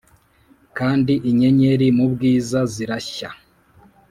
kandi inyenyeri mubwiza zirashya.